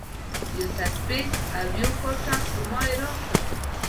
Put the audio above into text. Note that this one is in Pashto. یوه تسبیج او یو کارټن خرما یې راکړل.